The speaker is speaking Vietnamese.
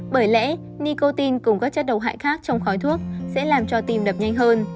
bởi lẽ nicotine cùng các chất độc hại khác trong khói thuốc sẽ làm cho tim đập nhanh hơn